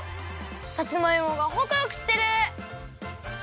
さつまいもがほくほくしてる！